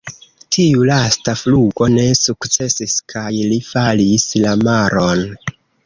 Tiu lasta flugo ne sukcesis kaj li falis la maron.